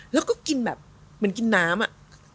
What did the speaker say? แล้วก็กินแบบเหมือนกินน้ำอะ